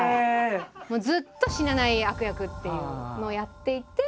ずっと死なない悪役っていうのをやっていて。